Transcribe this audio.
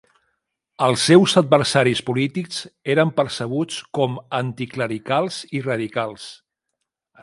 Els seus adversaris polítics eren percebuts com anticlericals i radicals.